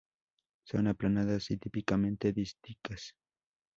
Son aplanadas y típicamente dísticas.